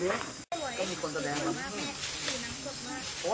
คือเราซื้อเป็นตัวมาก็ได้